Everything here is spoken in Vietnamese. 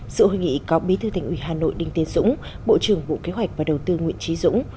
sự hội nghị có bí thư thành ủy hà nội đinh tiến dũng bộ trưởng bộ kế hoạch và đầu tư nguyễn trí dũng